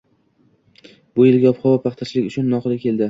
Bu yilgi ob-havo paxtachilik uchun noqulay keldi.